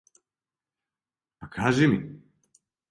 Па, кажи ми.